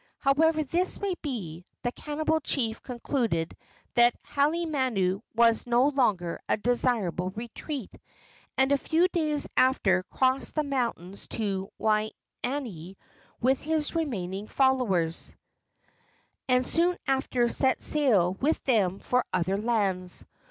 However this may be, the cannibal chief concluded that Halemanu was no longer a desirable retreat, and a few days after crossed the mountains to Waianae with his remaining followers, and soon thereafter set sail with them for other lands.